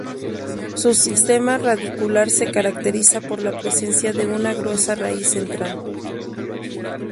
Su sistema radicular se caracteriza por la presencia de una gruesa raíz central.